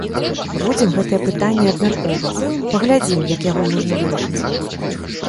Будзем гэтае пытанне абмяркоўваць, паглядзім, як яго можна вырашыць.